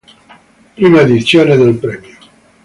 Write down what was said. Prima edizione del premio.